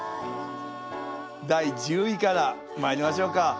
第１０位からまいりましょうか。